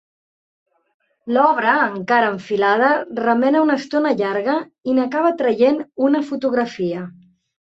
L'obre, encara enfilada, remena una estona llarga, i n'acaba traient una fotografia.